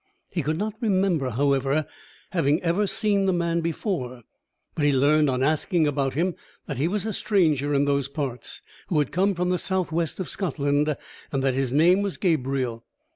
He could not remember, however, having ever seen the man before; but he learned, on asking about him, that he was a stranger in those parts, who had come from the south west of Scotland, and that his name was Gabriel.